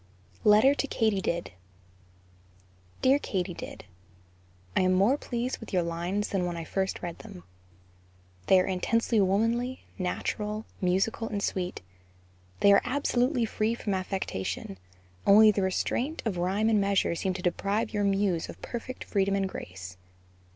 LETTER TO KATYDID. DEAR KATYDID: I am more pleased with your lines than when I first read them; they are intensely womanly, natural, musical and sweet they are absolutely free from affectation, only the restraint of rhyme and measure seem to deprive your muse of perfect freedom and grace.